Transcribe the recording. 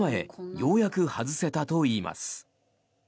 ようやく外せたといいます。